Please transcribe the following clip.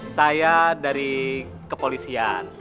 saya dari kepolisian